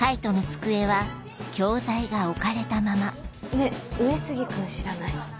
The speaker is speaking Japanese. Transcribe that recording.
ねぇ上杉君知らない？